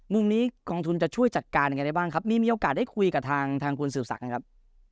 มุมนี้กองทุนจะช่วยจัดการยังไงได้บ้างครับมีมีโอกาสได้คุยกับทางคุณสืบศักดิ์นะครับ